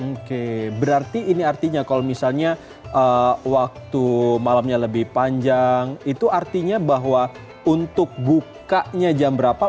oke berarti ini artinya kalau misalnya waktu malamnya lebih panjang itu artinya bahwa untuk bukanya jam berapa